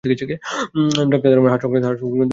ডাক্তারের ধারণা, হার্ট সংক্রান্ত কোনো সমস্যা।